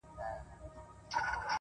هغه ولس چي د ؛